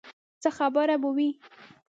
څه خبره به وي.